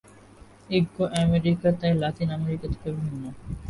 ইঙ্গ America তাই Latin America থেকে ভিন্ন।